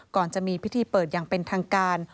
ก่อนจะมีพิธีเปิดอย่างเป็นทางการ